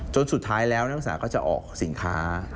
สุดท้ายแล้วนักศึกษาก็จะออกสินค้า